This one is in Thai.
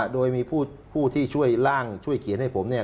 โดยมีผู้ที่ช่วยร่างช่วยเขียนให้ผมเนี่ย